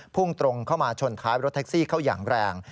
พุ่งตรงเข้ามาชนท้ายรถแท็กซี่เข้าอย่างแรง